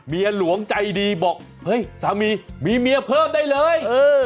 เมียหลวงใจดีบอกเฮ้ยสามีมีเมียเพิ่มได้เลย